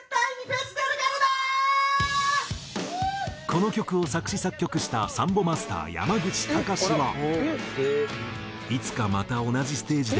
この曲を作詞・作曲したサンボマスター山口隆は。とツイート。